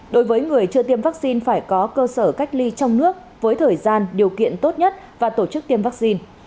đối với người chưa tiêm vaccine phải có cơ sở cách ly trong nước với thời gian điều kiện tốt nhất và tổ chức tiêm vaccine